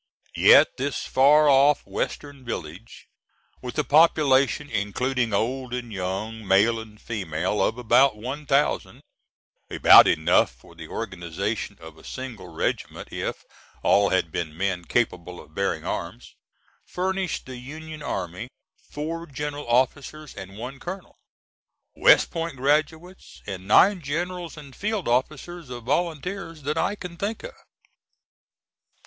Yet this far off western village, with a population, including old and young, male and female, of about one thousand about enough for the organization of a single regiment if all had been men capable of bearing arms furnished the Union army four general officers and one colonel, West Point graduates, and nine generals and field officers of Volunteers, that I can think of.